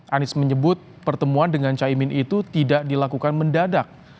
anies menyebut pertemuan dengan caimin itu tidak dilakukan mendadak